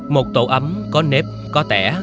một tổ ấm có nếp có tẻ